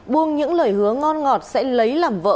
buông những lời hứa ngon ngọt sẽ lấy làm vỡ